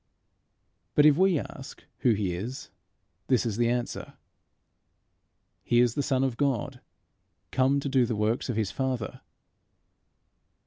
But if we ask who he is, this is the answer: He is the Son of God come to do the works of his Father.